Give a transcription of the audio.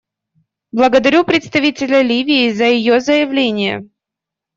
Благодарю представителя Ливии за ее заявление.